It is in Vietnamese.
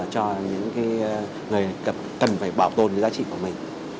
cho những người cần phải bảo tồn giá trị của mình